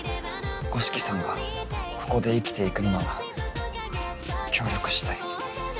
五色さんがここで生きていくのなら協力したい。